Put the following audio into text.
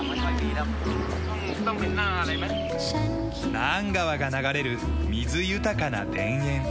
ナーン川が流れる水豊かな田園。